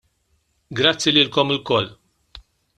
Grazzi lilkom ilkoll.